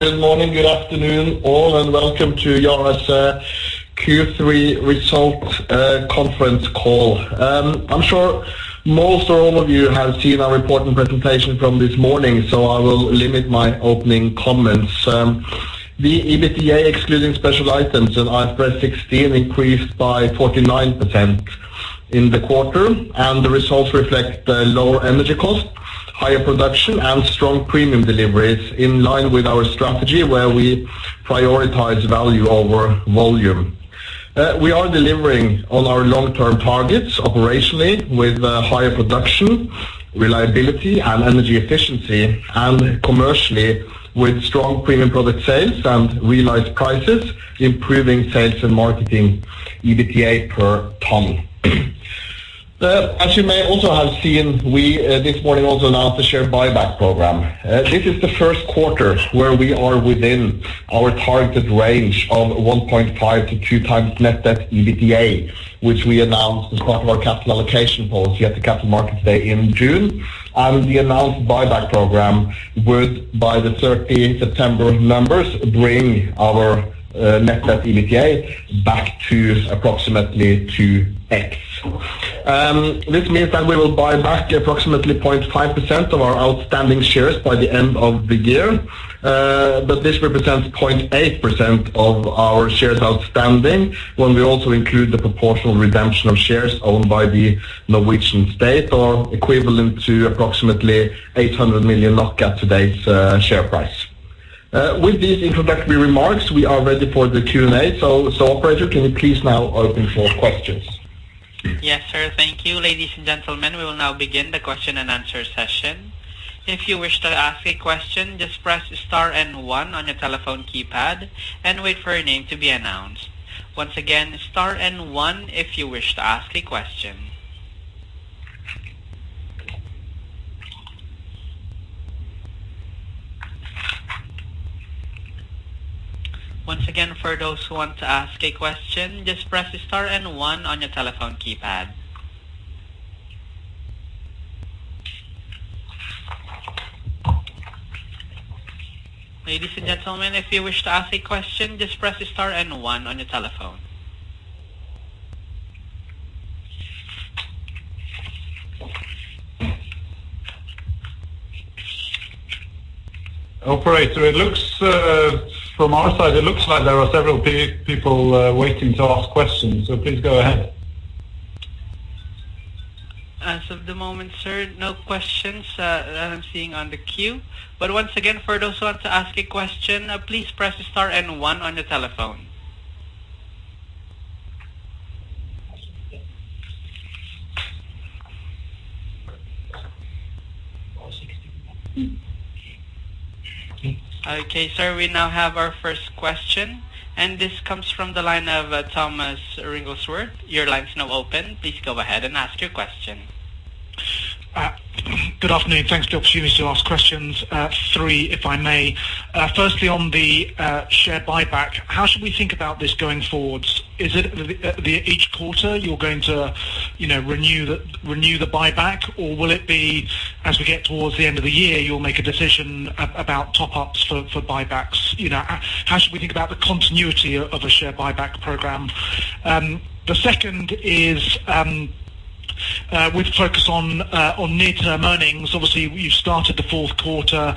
Good morning, good afternoon all, and welcome to Yara's Q3 result conference call. I'm sure most or all of you have seen our report and presentation from this morning, so I will limit my opening comments. The EBITDA, excluding special items and IFRS 16, increased by 49% in the quarter. The results reflect lower energy costs, higher production, and strong premium deliveries in line with our strategy where we prioritize value over volume. We are delivering on our long-term targets operationally with higher production, reliability, and energy efficiency, and commercially with strong premium product sales and realized prices, improving sales and marketing EBITDA per ton. As you may also have seen, we this morning also announced a share buyback program. This is the first quarter where we are within our targeted range of 1.5 to 2 times Net Debt/EBITDA, which we announced as part of our capital allocation policy at the Capital Markets Day in June. The announced buyback program would, by the 30th September numbers, bring our Net Debt/EBITDA back to approximately 2x. This means that we will buy back approximately 0.5% of our outstanding shares by the end of the year. This represents 0.8% of our shares outstanding when we also include the proportional redemption of shares owned by the Norwegian state or equivalent to approximately 800 million at today's share price. With these introductory remarks, we are ready for the Q&A. Operator, can you please now open for questions? Yes, sir. Thank you. Ladies and gentlemen, we will now begin the question and answer session. If you wish to ask a question, just press star and one on your telephone keypad and wait for your name to be announced. Once again, star and one if you wish to ask a question. Once again, for those who want to ask a question, just press star and one on your telephone keypad. Ladies and gentlemen, if you wish to ask a question, just press star and one on your telephone keypad. Operator, from our side, it looks like there are several people waiting to ask questions, so please go ahead. As of the moment, sir, no questions that I'm seeing on the queue. Once again, for those who want to ask a question, please press star and one on your telephone. Okay, sir, we now have our first question. This comes from the line of Thomas Rengaswamy. Your line is now open. Please go ahead and ask your question. Good afternoon. Thanks for the opportunity to ask questions. three, if I may. Firstly, on the share buyback, how should we think about this going forward? Is it each quarter you're going to renew the buyback, or will it be as we get towards the end of the year, you'll make a decision about top-ups for buybacks? How should we think about the continuity of a share buyback program? The second is, with focus on near-term earnings, obviously you've started the fourth quarter.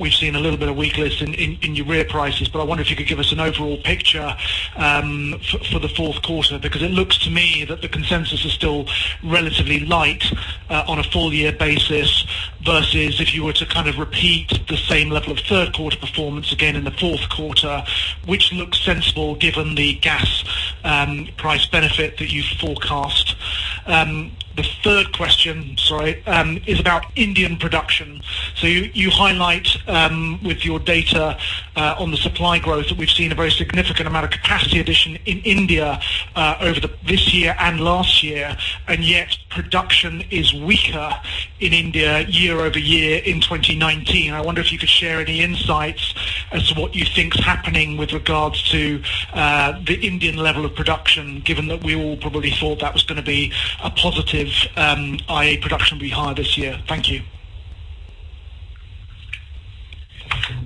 We've seen a little bit of weakness in urea prices, I wonder if you could give us an overall picture for the fourth quarter. Because it looks to me that the consensus is still relatively light on a full-year basis, versus if you were to kind of repeat the same level of third quarter performance again in the fourth quarter, which looks sensible given the gas price benefit that you forecast. The third question, sorry, is about Indian production. You highlight with your data on the supply growth that we've seen a very significant amount of capacity addition in India over this year and last year, and yet production is weaker in India year-over-year in 2019. I wonder if you could share any insights as to what you think is happening with regards to the Indian level of production, given that we all probably thought that was going to be a positive, i.e. production will be higher this year. Thank you.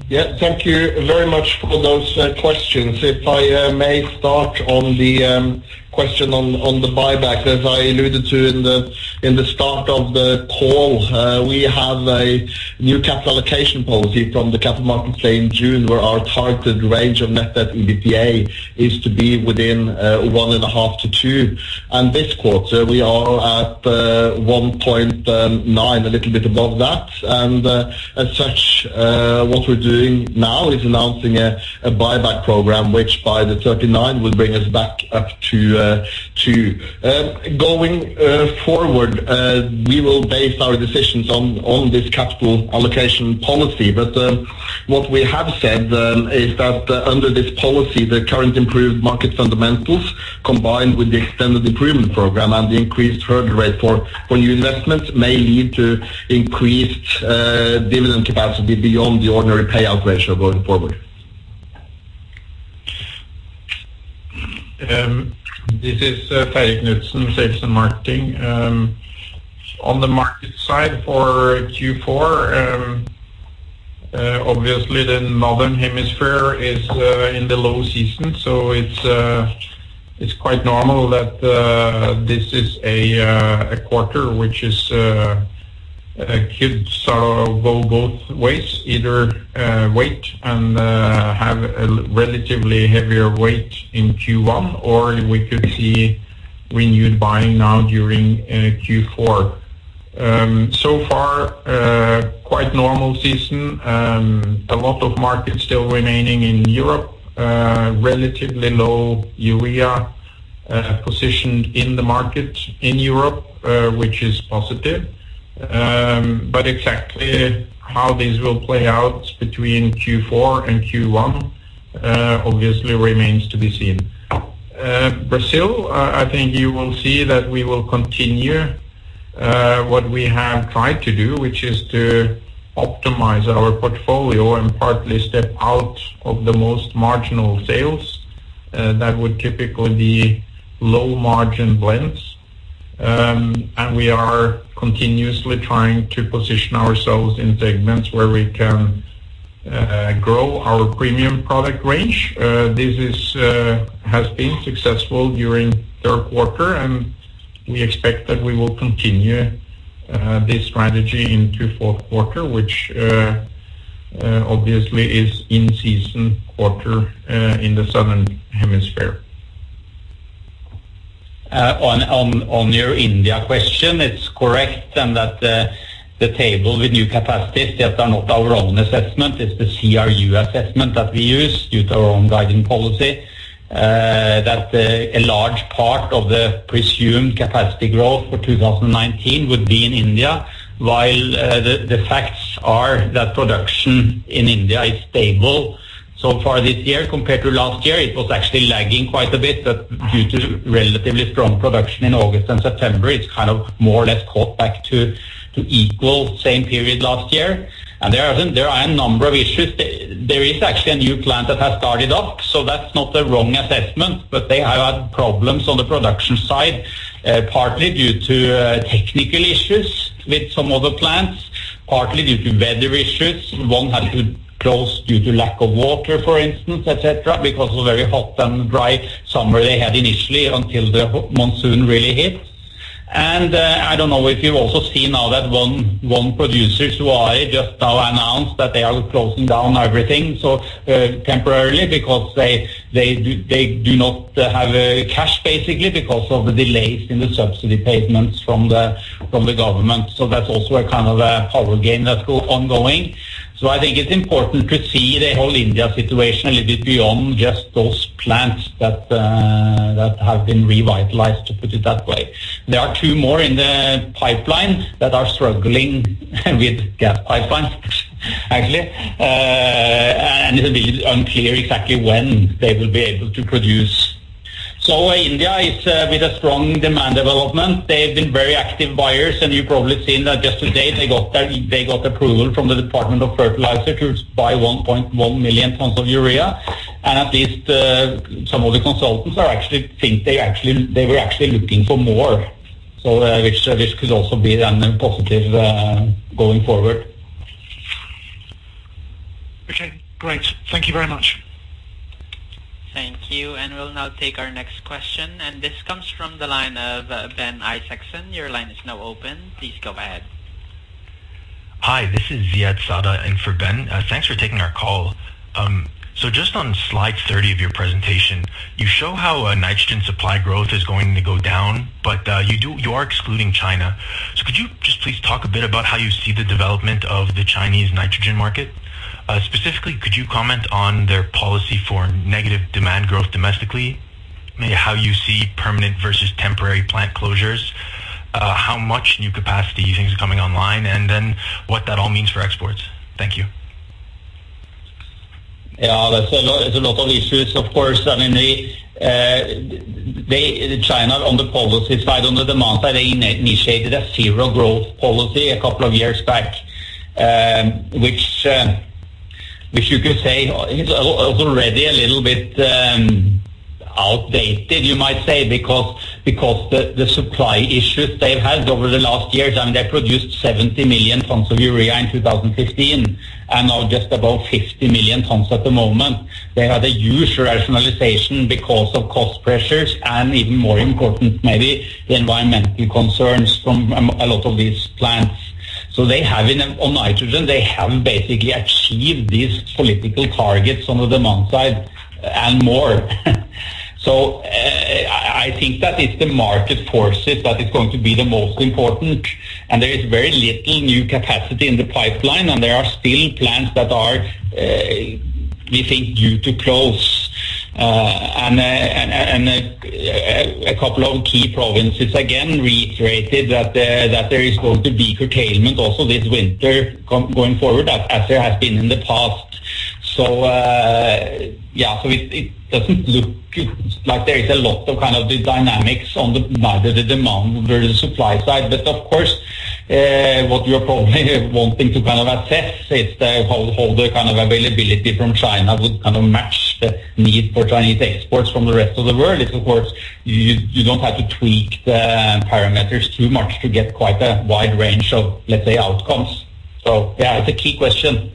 Thank you very much for those questions. If I may start on the question on the buyback. As I alluded to in the start of the call, we have a new capital allocation policy from the capital markets day in June where our targeted range of Net Debt to EBITDA is to be within 1.5-2. This quarter, we are at 1.9, a little bit above that. As such, what we're doing now is announcing a buyback program which by the 30th will bring us back up to 2. Going forward, we will base our decisions on this capital allocation policy. What we have said is that under this policy, the current improved market fundamentals, combined with the extended improvement program and the increased hurdle rate for new investments, may lead to increased dividend capacity beyond the ordinary payout ratio going forward. This is Terje Knutsen, sales and marketing. On the market side for Q4, obviously the northern hemisphere is in the low season, it's quite normal that this is a quarter which could sort of go both ways, either wait and have a relatively heavier weight in Q1, or we could see renewed buying now during Q4. Quite normal season. A lot of markets still remaining in Europe. Relatively low urea positioned in the market in Europe, which is positive. Exactly how this will play out between Q4 and Q1, obviously remains to be seen. Brazil, I think you will see that we will continue what we have tried to do, which is to optimize our portfolio and partly step out of the most marginal sales that would typically be low margin blends. We are continuously trying to position ourselves in segments where we can grow our premium product range. This has been successful during third quarter. We expect that we will continue this strategy into fourth quarter, which obviously is in season quarter, in the Southern Hemisphere. On your India question, it's correct and that the table with new capacity, that are not our own assessment, it's the CRU assessment that we use due to our own guiding policy, that a large part of the presumed capacity growth for 2019 would be in India, while the facts are that production in India is stable so far this year compared to last year. It was actually lagging quite a bit, but due to relatively strong production in August and September, it's kind of more or less caught back to equal same period last year. There are a number of issues. There is actually a new plant that has started up, so that's not the wrong assessment. They have had problems on the production side, partly due to technical issues with some of the plants, partly due to weather issues. One had to close due to lack of water, for instance, et cetera, because of very hot and dry summer they had initially until the monsoon really hit. I don't know if you've also seen now that one producer, Zuari, just now announced that they are closing down everything temporarily because they do not have cash, basically, because of the delays in the subsidy payments from the government. That's also a kind of a power game that's ongoing. I think it's important to see the whole India situation a little bit beyond just those plants that have been revitalized, to put it that way. There are two more in the pipeline that are struggling with gas pipeline, actually. It will be unclear exactly when they will be able to produce. India is with a strong demand development. They've been very active buyers. You've probably seen that just today they got approval from the Department of Fertilisers to buy 1.1 million tons of urea. At least some of the consultants think they were actually looking for more. Which this could also be then positive going forward. Okay, great. Thank you very much. Thank you. We'll now take our next question, and this comes from the line of Ben Isaacson. Your line is now open. Please go ahead. Hi, this is Ziad Saada in for Ben. Thanks for taking our call. Just on slide 30 of your presentation, you show how nitrogen supply growth is going to go down, but you are excluding China. Could you just please talk a bit about how you see the development of the Chinese nitrogen market? Specifically, could you comment on their policy for negative demand growth domestically? Maybe how you see permanent versus temporary plant closures, how much new capacity you think is coming online, and then what that all means for exports. Thank you. Yeah. That's a lot of issues. China, on the policy side, on the demand side, they initiated a zero growth policy a couple of years back, which you could say is already a little bit outdated, you might say, because the supply issues they've had over the last years, I mean, they produced 70 million tons of urea in 2015 and now just above 50 million tons at the moment. They had a huge rationalization because of cost pressures and even more important maybe the environmental concerns from a lot of these plants. On nitrogen, they have basically achieved these political targets on the demand side and more. I think that it's the market forces that is going to be the most important, and there is very little new capacity in the pipeline, and there are still plants that are, we think, due to close. A couple of key provinces, again, reiterated that there is going to be curtailment also this winter going forward as there has been in the past. It doesn't look like there is a lot of the dynamics on the neither the demand nor the supply side. What you're probably wanting to kind of assess is how the kind of availability from China would kind of match the need for Chinese exports from the rest of the world. If, of course, you don't have to tweak the parameters too much to get quite a wide range of, let's say, outcomes. Yeah, it's a key question.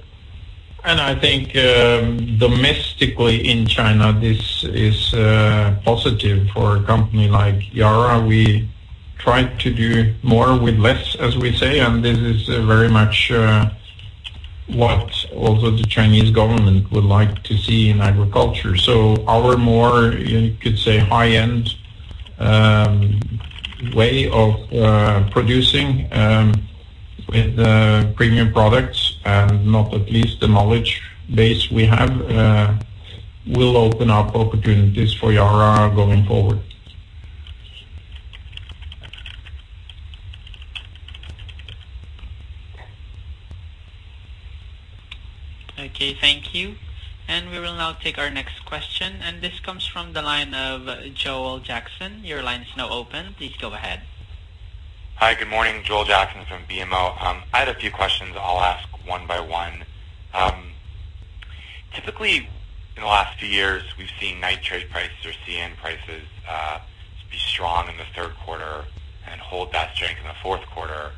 I think domestically in China, this is positive for a company like Yara. We try to do more with less, as we say, and this is very much what also the Chinese government would like to see in agriculture. Our more, you could say, high-end way of producing with the premium products and not at least the knowledge base we have will open up opportunities for Yara going forward. Okay, thank you. We will now take our next question, and this comes from the line of Joel Jackson. Your line is now open. Please go ahead. Hi, good morning. Joel Jackson from BMO. I had a few questions, I'll ask one by one. Typically, in the last few years, we've seen nitrate prices or CAN prices be strong in the third quarter and hold that strength in the fourth quarter.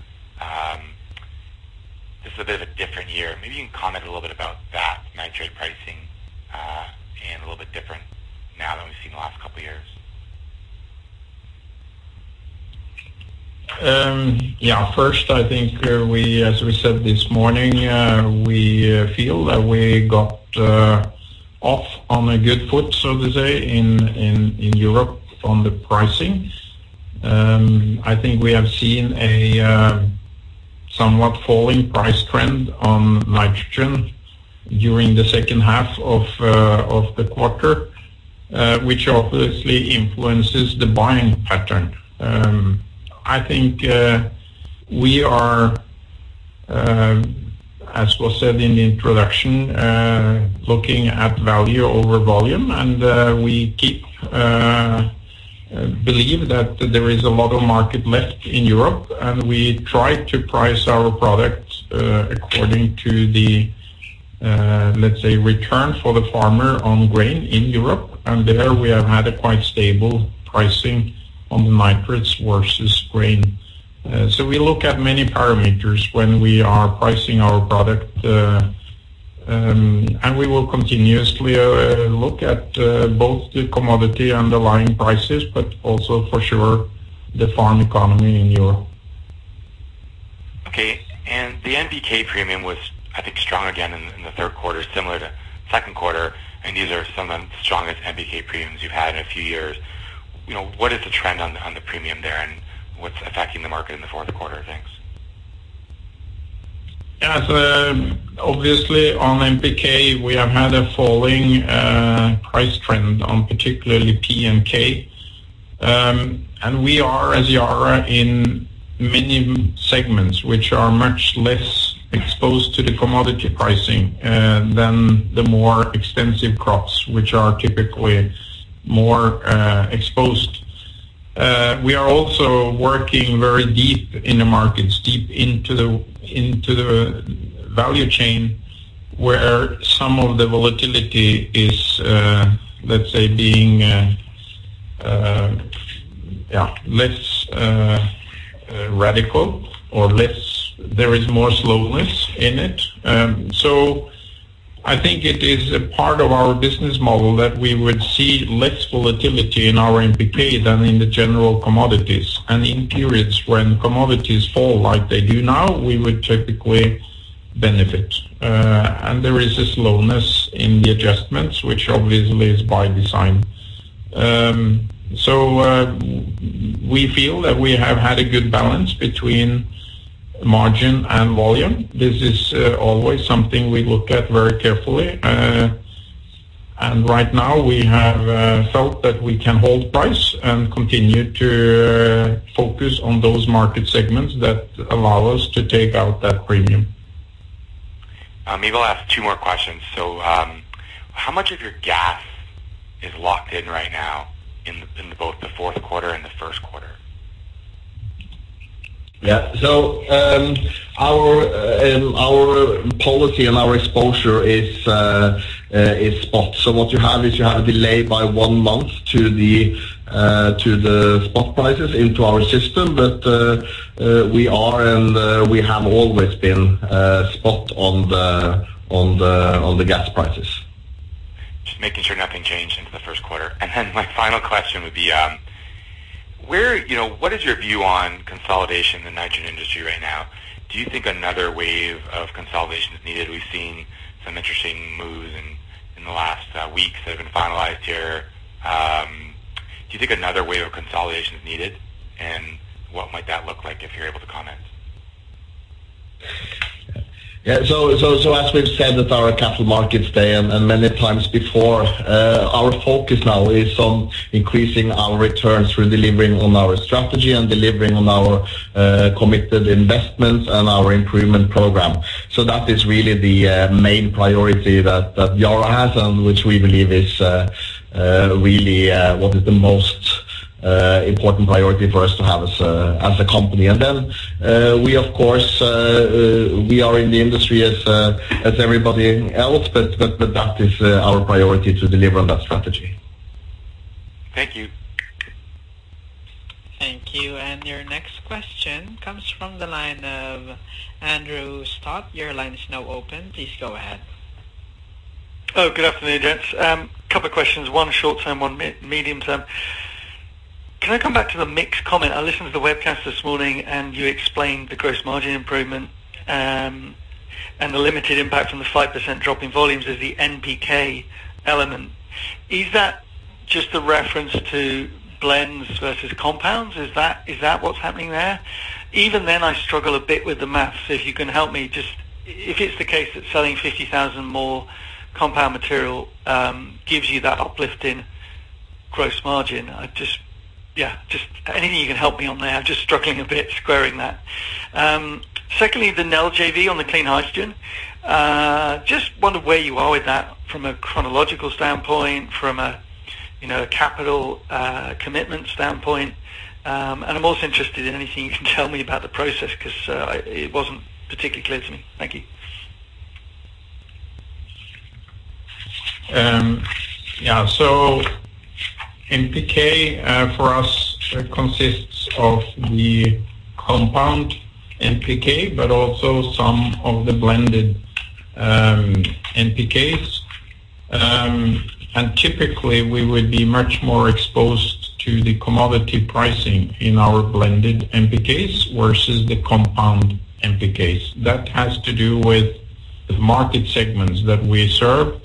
This is a bit of a different year. Maybe you can comment a little bit about that nitrate pricing, and a little bit different now than we've seen the last couple of years. Yeah. First, I think as we said this morning, we feel that we got off on a good foot, so to say, in Europe on the pricing. I think we have seen a somewhat falling price trend on nitrogen during the second half of the quarter, which obviously influences the buying pattern. I think we are, as was said in the introduction, looking at value over volume. We keep believing that there is a lot of market left in Europe, and we try to price our products according to the, let's say, return for the farmer on grain in Europe. There we have had a quite stable pricing on the nitrates versus grain. We look at many parameters when we are pricing our product, and we will continuously look at both the commodity underlying prices, but also for sure, the farm economy in Europe. Okay. The NPK premium was, I think, strong again in the third quarter, similar to second quarter, and these are some of the strongest NPK premiums you've had in a few years. What is the trend on the premium there, and what's affecting the market in the fourth quarter? Thanks. Obviously on NPK, we have had a falling price trend on particularly P and K. We are, as Yara, in many segments which are much less exposed to the commodity pricing than the more extensive crops, which are typically more exposed. We are also working very deep in the markets, deep into the value chain, where some of the volatility is, let's say, being less radical or there is more slowness in it. I think it is a part of our business model that we would see less volatility in our NPK than in the general commodities. In periods when commodities fall like they do now, we would typically benefit. There is a slowness in the adjustments, which obviously is by design. We feel that we have had a good balance between margin and volume. This is always something we look at very carefully. Right now we have felt that we can hold price and continue to focus on those market segments that allow us to take out that premium. Maybe I'll ask two more questions. How much of your gas is locked in right now in both the fourth quarter and the first quarter? Yeah. Our policy and our exposure is spot. What you have is you have a delay by one month to the spot prices into our system. We are and we have always been spot on the gas prices. Just making sure nothing changed into the first quarter. My final question would be, what is your view on consolidation in the nitrogen industry right now? Do you think another wave of consolidation is needed? We've seen some interesting moves in the last weeks that have been finalized here. Do you think another wave of consolidation is needed? What might that look like, if you're able to comment? As we've said at our Capital Markets Day and many times before our focus now is on increasing our returns through delivering on our strategy and delivering on our committed investments and our improvement program. That is really the main priority that Yara has and which we believe is really what is the most important priority for us to have as a company. We are in the industry as everybody else, but that is our priority to deliver on that strategy. Thank you. Thank you. Your next question comes from the line of Andrew Stott. Your line is now open. Please go ahead. Oh, good afternoon, gents. Couple of questions, one short-term, one medium-term. Can I come back to the mix comment? I listened to the webcast this morning, and you explained the gross margin improvement, and the limited impact from the 5% drop in volumes as the NPK element. Is that just a reference to blends versus compounds? Is that what's happening there? I struggle a bit with the math, so if you can help me, if it's the case that selling 50,000 more compound material gives you that uplift in gross margin. Anything you can help me on there. I'm just struggling a bit squaring that. Secondly, the Nel JV on the clean hydrogen. Just wonder where you are with that from a chronological standpoint, from a capital commitment standpoint. I'm also interested in anything you can tell me about the process because it wasn't particularly clear to me. Thank you. Yeah. NPK, for us, consists of the compound NPK, but also some of the blended NPKs. Typically, we would be much more exposed to the commodity pricing in our blended NPKs versus the compound NPKs. That has to do with the market segments that we serve.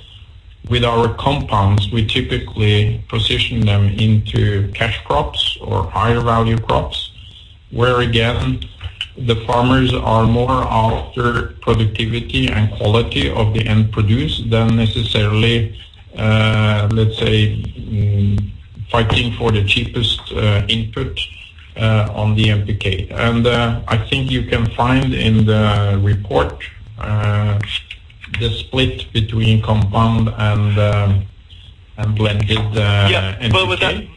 With our compounds, we typically position them into cash crops or higher value crops, where, again, the farmers are more after productivity and quality of the end produce than necessarily, let's say, fighting for the cheapest input on the NPK. I think you can find in the report, the split between compound and blended. Yeah NPK.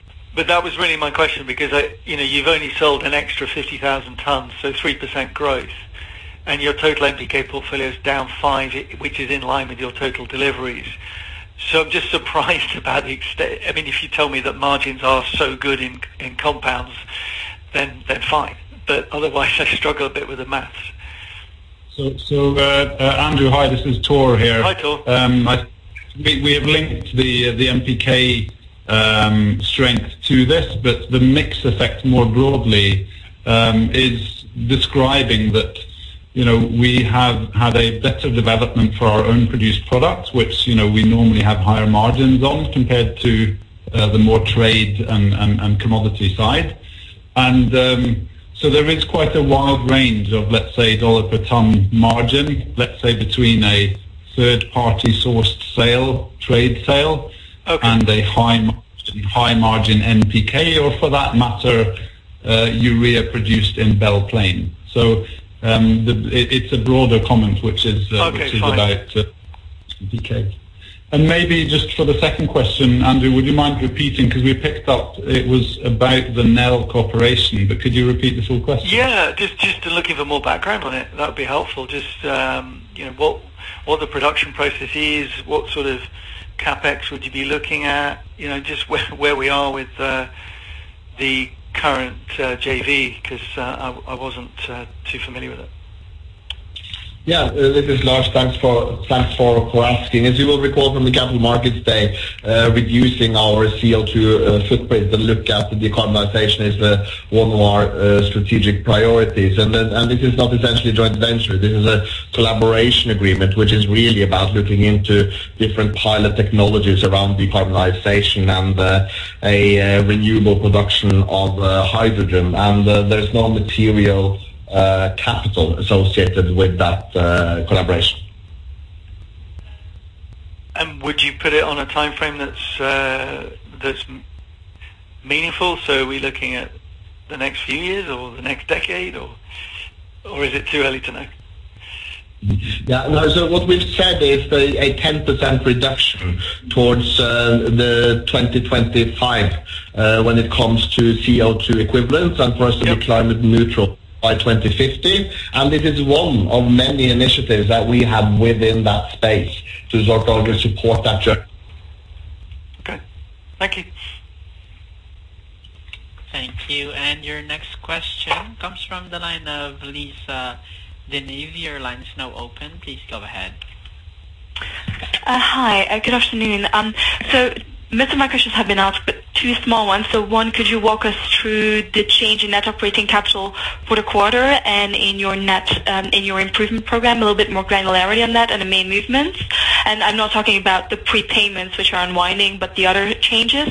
That was really my question, because you've only sold an extra 50,000 tons, 3% growth, and your total NPK portfolio is down 5%, which is in line with your total deliveries. I'm just surprised about the extent If you tell me that margins are so good in compounds, then fine. Otherwise, I struggle a bit with the math. Andrew, hi, this is Thor here. Hi, Thor. We have linked the NPK strength to this, but the mix effect more broadly is describing that we have had a better development for our own produced products, which we normally have higher margins on compared to the more trade and commodity side. There is quite a wide range of, let's say, dollar per ton margin, let's say, between a third party sourced sale, trade sale. Okay A high margin NPK or for that matter, urea produced in Belle Plaine. It's a broader comment, which is. Okay. Fine. which is about NPK. Maybe just for the second question, Andrew, would you mind repeating? We picked up it was about the Nel Corporation, but could you repeat the full question? Yeah, just looking for more background on it. That'd be helpful. Just what the production process is, what sort of CapEx would you be looking at? Just where we are with the current JV, because I wasn't too familiar with it? Yeah. This is Lars. Thanks for asking. As you will recall from the capital markets day, reducing our CO2 footprint and look at the decarbonization is one of our strategic priorities. This is not essentially a joint venture. This is a collaboration agreement, which is really about looking into different pilot technologies around decarbonization and a renewable production of hydrogen. There's no material capital associated with that collaboration. Would you put it on a timeframe that's meaningful? Are we looking at the next few years or the next decade, or is it too early to know? Yeah, no. What we've said is a 10% reduction towards the 2025, when it comes to CO2 equivalents, and for us to be climate neutral by 2050. It is one of many initiatives that we have within that space to support that journey. Okay. Thank you. Thank you. Your next question comes from the line of Lisa De Neve. Your line is now open. Please go ahead. Hi, good afternoon. Most of my questions have been asked, but two small ones. One, could you walk us through the change in net operating capital for the quarter and in your improvement program, a little bit more granularity on that and the main movements. I'm not talking about the prepayments which are unwinding, but the other changes.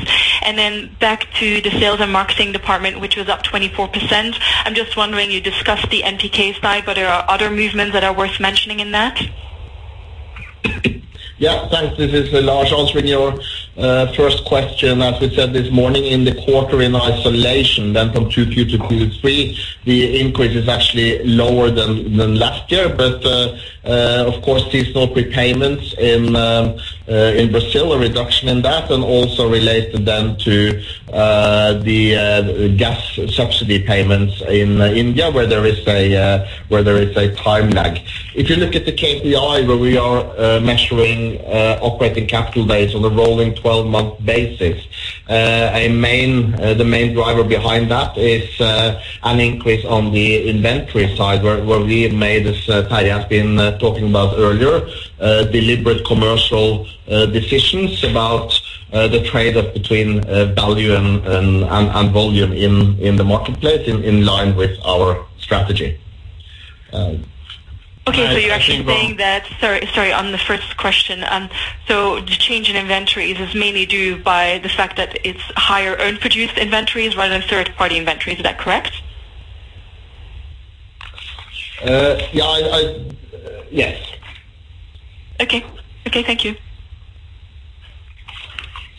Then back to the sales and marketing department, which was up 24%. I'm just wondering, you discussed the NPK side, but are there other movements that are worth mentioning in that? Yeah, thanks. This is Lars. Answering your first question, as we said this morning, in the quarter in isolation then from Q2 to Q3, the increase is actually lower than last year. Of course, seasonal prepayments in Brazil, a reduction in that, and also related then to the gas subsidy payments in India, where there is a time lag. If you look at the KPI where we are measuring operating capital base on a rolling 12-month basis, the main driver behind that is an increase on the inventory side where we have made, as Terje has been talking about earlier, deliberate commercial decisions about the trade-off between value and volume in the marketplace in line with our strategy. Okay. You're actually saying that Sorry, on the first question, the change in inventories is mainly due by the fact that it's higher own produced inventories rather than third-party inventory. Is that correct? Yes. Okay. Thank you.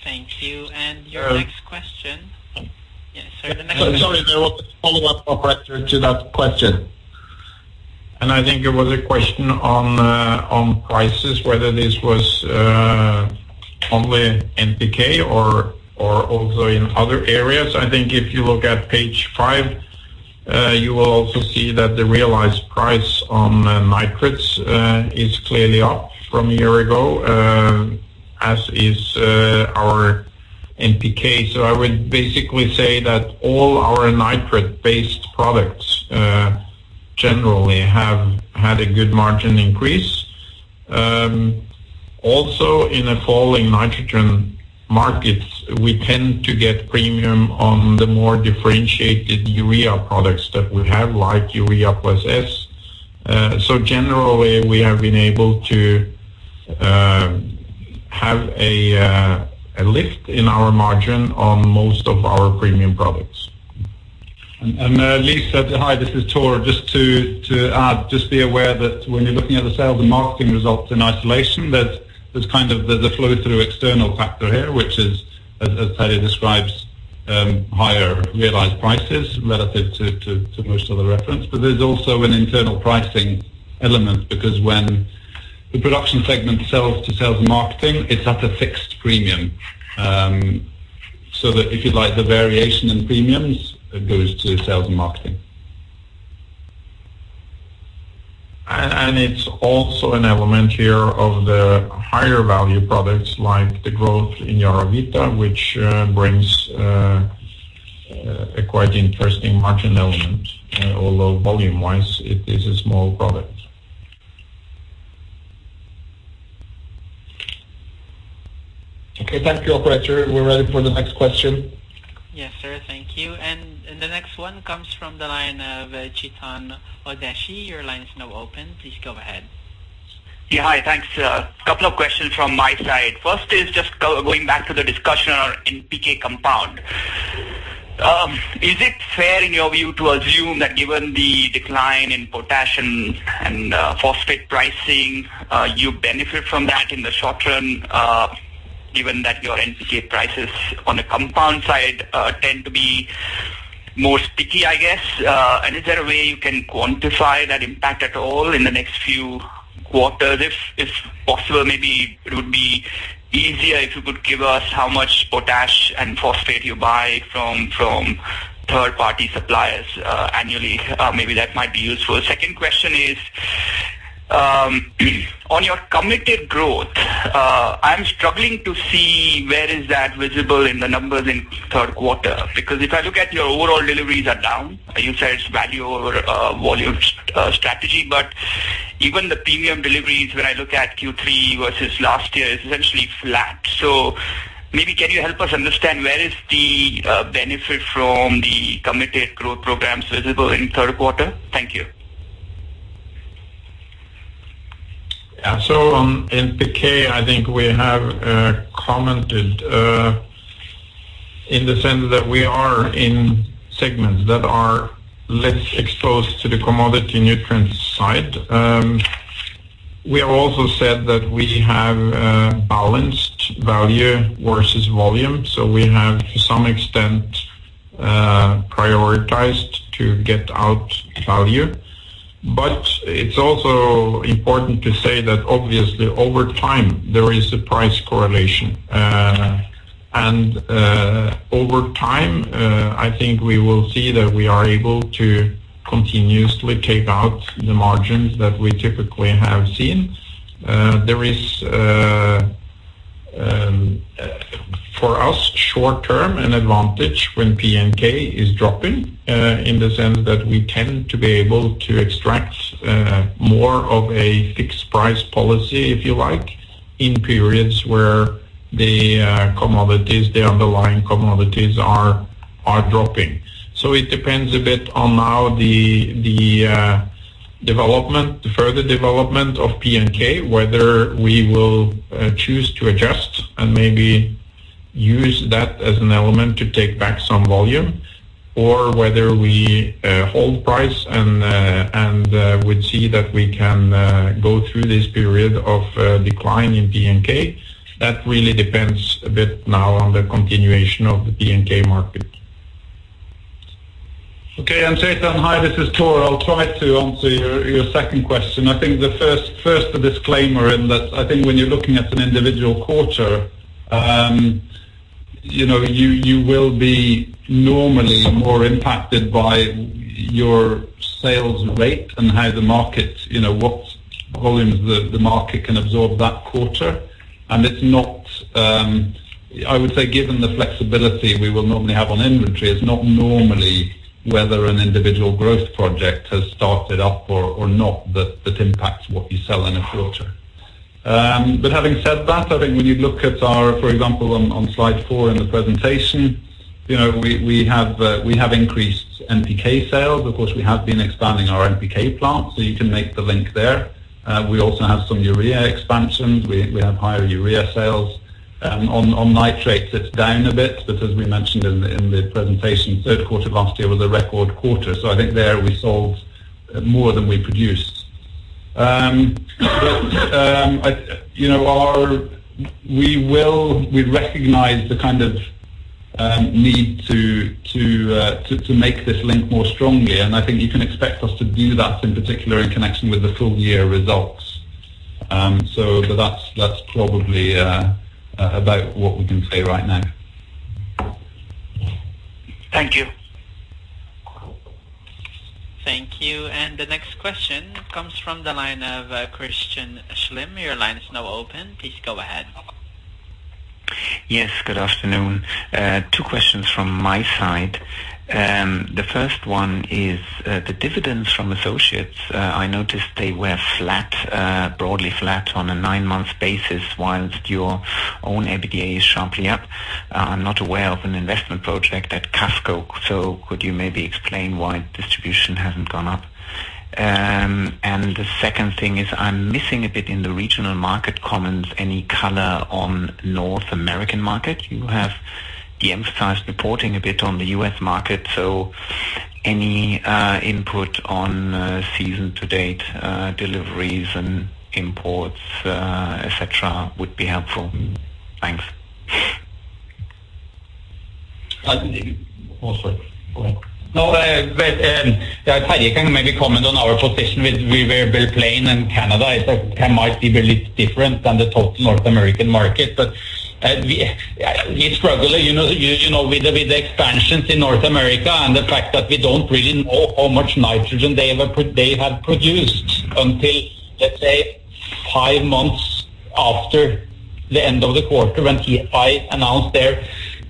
Thank you. Your next question? Yes, sir. The next one. Sorry, there was a follow-up operator to that question. I think it was a question on prices, whether this was only NPK or also in other areas. I think if you look at page five, you will also see that the realized price on nitrates is clearly up from a year ago, as is our NPK. I would basically say that all our nitrate-based products, generally have had a good margin increase. Also, in a falling nitrogen market, we tend to get premium on the more differentiated urea products that we have, like Urea plus S. Generally, we have been able to have a lift in our margin on most of our premium products. Lisa, hi, this is Thor. Just to add, just be aware that when you're looking at the sales and marketing results in isolation, there's the flow through external factor here, which is, as Terje describes, higher realized prices relative to most of the reference. There's also an internal pricing element because when the production segment sells to sales and marketing, it's at a fixed premium. That if you like, the variation in premiums, it goes to sales and marketing. It's also an element here of the higher value products like the growth in YaraVita, which brings a quite interesting margin element, although volume wise it is a small product. Okay, thank you, operator. We're ready for the next question. Yes, sir. Thank you. The next one comes from the line of Chetan Udeshi. Your line is now open. Please go ahead. Yeah. Hi, thanks. A couple of questions from my side. First is just going back to the discussion on NPK compound. Is it fair in your view to assume that given the decline in potash and phosphate pricing, you benefit from that in the short term, given that your NPK prices on the compound side tend to be more sticky, I guess? Is there a way you can quantify that impact at all in the next few quarters? If possible, maybe it would be easier if you could give us how much potash and phosphate you buy from third-party suppliers annually. Maybe that might be useful. Second question is, on your committed growth, I’m struggling to see where is that visible in the numbers in the third quarter. If I look at your overall deliveries are down. You said it's value over volume strategy, even the premium deliveries when I look at Q3 versus last year is essentially flat. Maybe can you help us understand where is the benefit from the committed growth programs visible in the third quarter? Thank you. On NPK, I think we have commented in the sense that we are in segments that are less exposed to the commodity nutrient side. We have also said that we have balanced value versus volume, so we have to some extent prioritized to get out value. It's also important to say that obviously over time there is a price correlation. Over time, I think we will see that we are able to continuously take out the margins that we typically have seen. There is, for us, short term an advantage when P&K is dropping, in the sense that we tend to be able to extract more of a fixed price policy, if you like, in periods where the underlying commodities are dropping. It depends a bit on now the further development of P&K, whether we will choose to adjust and maybe Use that as an element to take back some volume, or whether we hold price and would see that we can go through this period of decline in P&K. That really depends a bit now on the continuation of the P&K market. Okay, Chetan. Hi, this is Thor. I will try to answer your second question. I think the first disclaimer in that, I think when you are looking at an individual quarter, you will be normally more impacted by your sales rate and what volumes the market can absorb that quarter. I would say, given the flexibility we will normally have on inventory, it is not normally whether an individual growth project has started up or not that impacts what you sell in a quarter. Having said that, I think when you look at our, for example, on slide four in the presentation, we have increased NPK sales. Of course, we have been expanding our NPK plant, you can make the link there. We also have some urea expansion. We have higher urea sales. On nitrates, it's down a bit, but as we mentioned in the presentation, third quarter of last year was a record quarter. I think there we sold more than we produced. We recognize the kind of need to make this link more strongly, and I think you can expect us to do that in particular in connection with the full year results. That's probably about what we can say right now. Thank you. Thank you. The next question comes from the line of Christian Faitz. Your line is now open. Please go ahead. Yes, good afternoon. Two questions from my side. The first one is the dividends from associates. I noticed they were broadly flat on a nine-month basis, whilst your own EBITDA is sharply up. Could you maybe explain why distribution hasn't gone up? The second thing is, I'm missing a bit in the regional market comments, any color on North American market. You have deemphasized reporting a bit on the U.S. market, any input on season to date, deliveries and imports, et cetera, would be helpful. Thanks. Oh, sorry. Go ahead. No, Terje can maybe comment on our position with Belle Plaine and Canada, it might be really different than the total North American market. We struggle with the expansions in North America and the fact that we don't really know how much nitrogen they have produced until, let's say, 5 months after the end of the quarter when I announce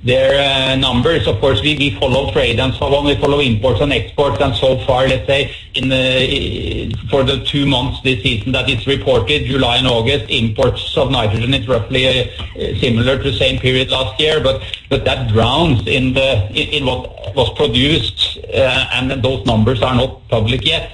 their numbers. Of course, we follow trade and so on, we follow imports and exports, so far, let's say, for the two months this season that it's reported, July and August, imports of nitrogen is roughly similar to the same period last year, that drowns in what was produced, those numbers are not public yet.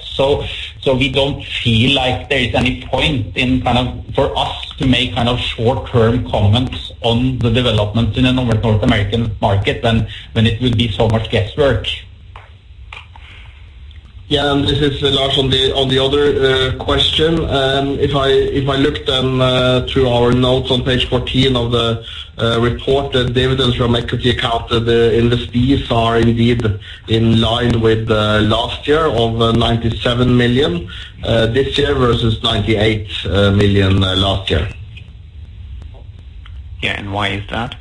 We don't feel like there is any point for us to make short-term comments on the developments in the North American market than when it will be so much guesswork. This is Lars on the other question. If I look then through our notes on page 14 of the report, the dividends from equity account of the investees are indeed in line with last year of $97 million this year versus $98 million last year. Yeah, why is that?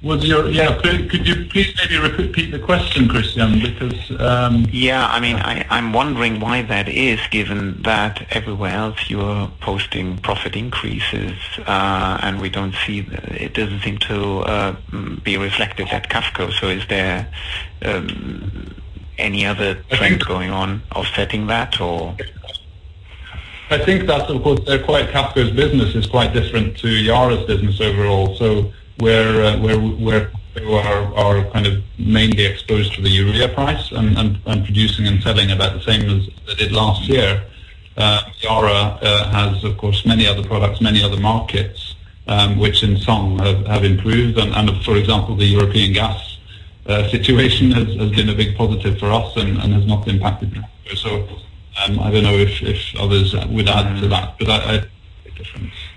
Could you please maybe repeat the question, Christian? Yeah, I'm wondering why that is, given that everywhere else you are posting profit increases, and it doesn't seem to be reflected at QAFCO. Is there any other trend going on offsetting that, or? I think that, of course, QAFCO's business is quite different to Yara's business overall. Where they are kind of mainly exposed to the urea price and producing and selling about the same as they did last year. Yara has, of course, many other products, many other markets, which in some have improved. For example, the European gas situation has been a big positive for us and has not impacted us. I don't know if others would add to that, but I.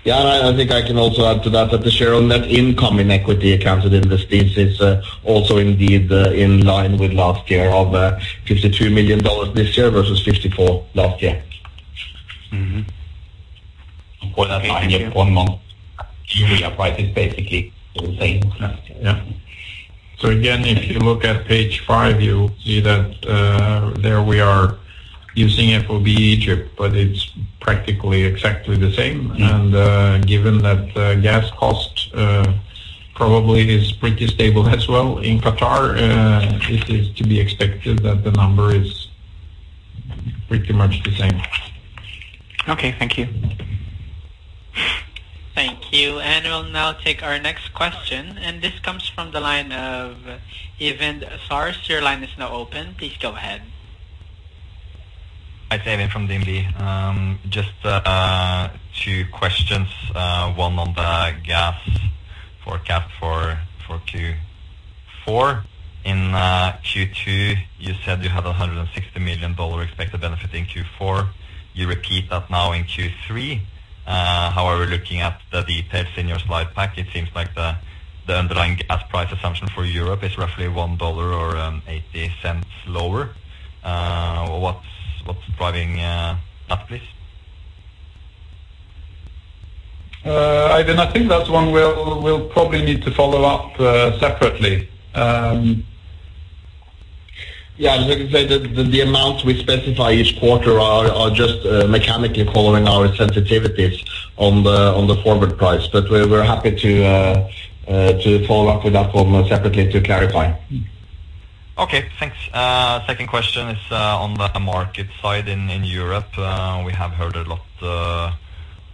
Yeah, I think I can also add to that the share on net income in equity accounts with investees is also indeed in line with last year of NOK 52 million this year versus 54 last year. For that nine month, urea price is basically the same. Yeah. Again, if you look at page five, you see that there we are using FOB Egypt, but it is practically exactly the same. Given that gas cost probably is pretty stable as well in Qatar it is to be expected that the number is pretty much the same. Okay, thank you. Thank you. We'll now take our next question, and this comes from the line of Øyvind Særs. Your line is now open. Please go ahead. Hi, David from DNB. Just two questions. One on the gas forecast for Q4. In Q2, you said you had a NOK 160 million expected benefit in Q4. You repeat that now in Q3. Looking at the details in your slide pack, it seems like the underlying gas price assumption for Europe is roughly NOK 1 or 0.80 lower. What's driving that, please? I think that's one we'll probably need to follow up separately. Yeah, like I said, the amounts we specify each quarter are just mechanically following our sensitivities on the forward price. We're happy to follow up with that one separately to clarify. Okay, thanks. Second question is on the market side in Europe. We have heard a lot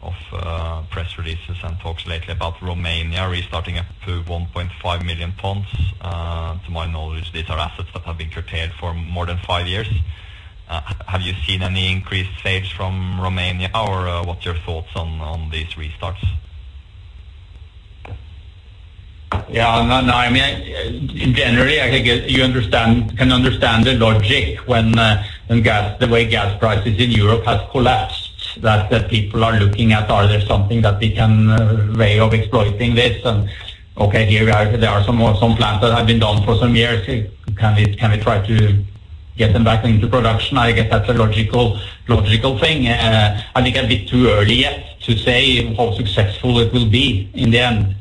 of press releases and talks lately about Romania restarting up to 1.5 million tons. To my knowledge, these are assets that have been curtailed for more than five years. Have you seen any increased sales from Romania, or what's your thoughts on these restarts? Yeah. In general, you can understand the logic when the way gas prices in Europe has collapsed, that people are looking at a way of exploiting this. Okay, here there are some plants that have been down for some years. Can we try to get them back into production? I guess that's a logical thing. I think a bit too early yet to say how successful it will be in the end.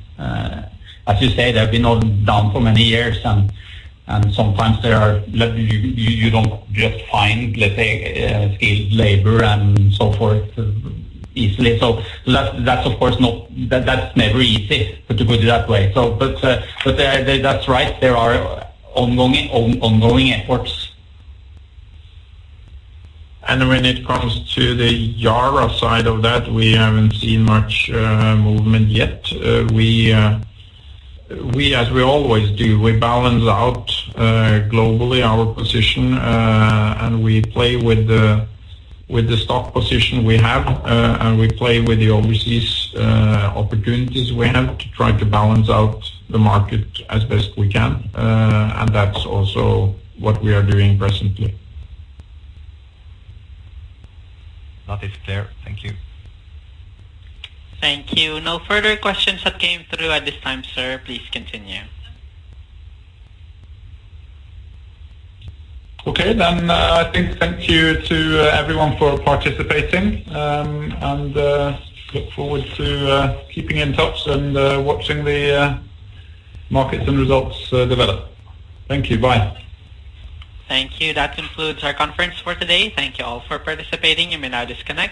As you say, they've been down for many years. Sometimes you don't just find, let's say, skilled labor and so forth easily. That's never easy, to put it that way. That's right, there are ongoing efforts. When it comes to the Yara side of that, we haven't seen much movement yet. As we always do, we balance out globally our position, and we play with the stock position we have, and we play with the overseas opportunities we have to try to balance out the market as best we can. That's also what we are doing presently. That is clear. Thank you. Thank you. No further questions that came through at this time, sir. Please continue. Okay. I think thank you to everyone for participating. Look forward to keeping in touch and watching the markets and results develop. Thank you. Bye. Thank you. That concludes our conference for today. Thank you all for participating. You may now disconnect.